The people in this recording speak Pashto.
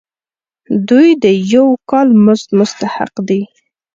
دوی د یو کال مزد مستحق دي.